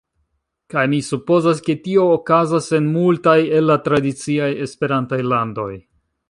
Kaj mi supozas ke tio okazas en multaj el la tradiciaj Esperantaj landoj.